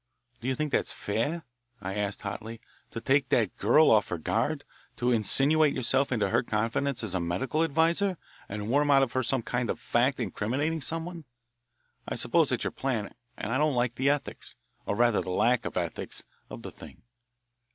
"Do you think that's fair?" I asked hotly, "to take that girl off her guard, to insinuate yourself into her confidence as a medical adviser, and worm out of her some kind of fact incriminating someone? I suppose that's your plan, and I don't like the ethics, or rather the lack of ethics, of the thing."